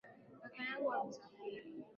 Kaka yangu amesafiri.